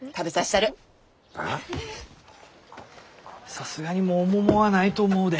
さすがにもう桃はないと思うで。